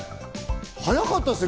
早かったですね。